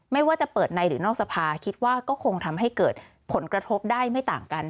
ไม่ว่าจะเปิดในหรือนอกสภาคิดว่าก็คงทำให้เกิดผลกระทบได้ไม่ต่างกัน